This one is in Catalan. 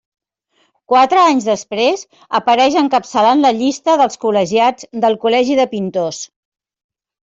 Quatre anys després, apareix encapçalant la llista dels col·legiats del Col·legi de Pintors.